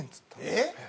えっ？